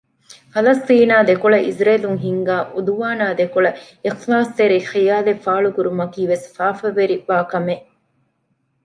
ފަލަސްޠީނާ ދެކޮޅަށް އިޒްރޭލުން ހިންގާ ޢުދުވާނާ ދެކޮޅަށް އިޚްލާޞްތެރި ޚިޔާލެއް ފާޅުކުރުމަކީވެސް ފާފަވެރިވާ ކަމެއް